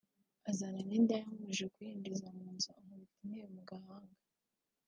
azana n’indaya mubujije kuyinjiza mu nzu ankubita intebe mu gahanga